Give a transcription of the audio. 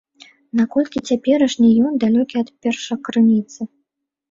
Наколькі цяперашні ён далёкі ад першакрыніцы?